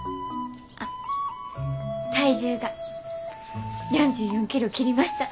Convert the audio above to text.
あっ体重が４４キロ切りました！